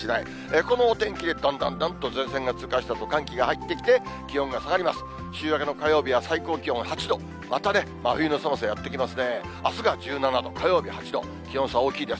このお天気でどんどんどんと前線が通過したあと、寒気が入ってきて、気温が下がります。